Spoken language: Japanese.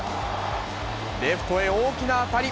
レフトへ大きな当たり。